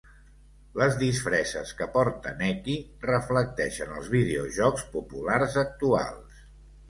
Les disfresses que porta Necky reflecteixen els videojocs populars actuals.